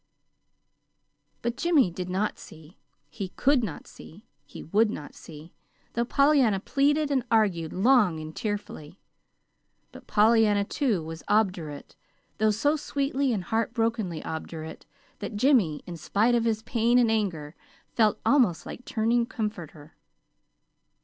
But Jimmy did not see; he could not see. He would not see, though Pollyanna pleaded and argued long and tearfully. But Pollyanna, too, was obdurate, though so sweetly and heartbrokenly obdurate that Jimmy, in spite of his pain and anger, felt almost like turning comforter.